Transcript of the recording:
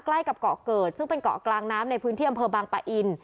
ใกล้กับเกาะเกิดซึ่งเป็นเกาะกลางน้ำในพื้นที่อำเภอบางปะอิน